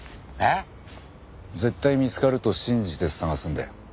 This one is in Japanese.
えっ？絶対見つかると信じて探すんだよ。